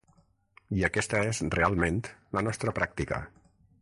I aquesta és realment la nostra pràctica.